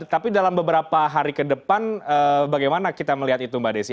tapi dalam beberapa hari ke depan bagaimana kita melihat itu mbak desi